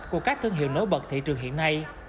của các thương hiệu nối bật thị trường hiện nay